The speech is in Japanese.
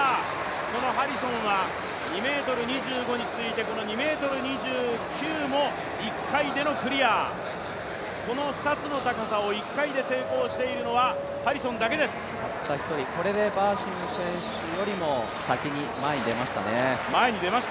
このハリソンは２ｍ２５に続いて、２ｍ２９も１回でのクリア、この２つの高さを１回で成功しているのはこれでバーシム選手よりも先に前へ出ましたね。